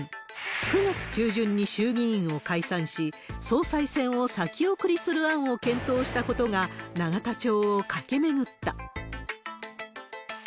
９月中旬に衆議院を解散し、総裁選を先送りする案を検討したことが、永田町を駆け巡った。